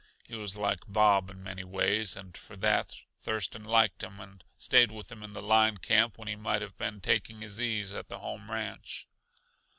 He was like Bob in many ways, and for that Thurston liked him and, stayed with him in the line camp when he might have been taking his ease at the home ranch.